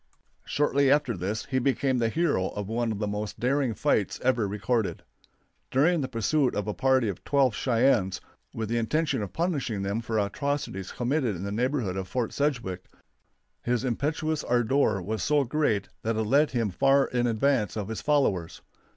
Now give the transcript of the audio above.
Shortly after this he became the hero of one of the most daring fights ever recorded. During the pursuit of a party of twelve Cheyennes, with the intention of punishing them for atrocities committed in the neighborhood of Fort Sedgwick, his impetuous ardor was so great that it led him far in advance of his followers.